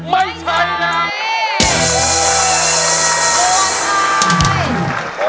ไม่ใช่ครับ